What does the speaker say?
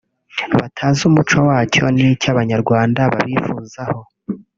batazi umuco wacyo n’icyo Abanyarwanda babifuzaho’